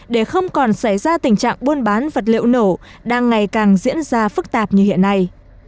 để không còn xảy ra tình trạng buôn bán vật liệu nổ đang ngày càng diễn ra phức tạp như hiện nay